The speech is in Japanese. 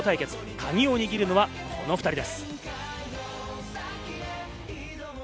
カギを握るのはこの２人です。